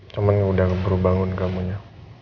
cuman udah berubah bangun kamunya